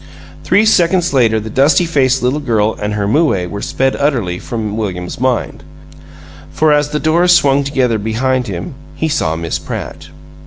Three seconds later the dusty faced little girl and her moue were sped utterly from William's mind. For, as the doors swung together behind him, he saw Miss Pratt.